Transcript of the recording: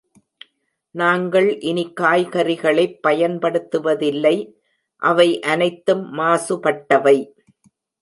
நாங்கள் இனி காய்கறிகளைப் பயன்படுத்துவதில்லை, அவை அனைத்தும் மாசுபட்டவை.